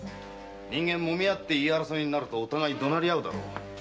人間もみ合って言い争いになるとお互い怒鳴りあうだろう？